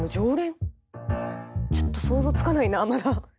ちょっと想像つかないなまだ。